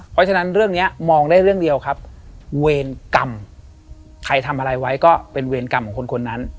เพราะฉะนั้นเรื่องนี้มองได้เรื่องเดียวครับเวรกรรมใครทำอะไรไว้ก็เป็นเวรกรรมของคนคนนั้น